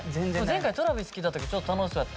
前回Ｔｒａｖｉｓ来た時ちょっと楽しそうやったやん。